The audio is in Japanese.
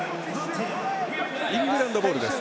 イングランドボールです。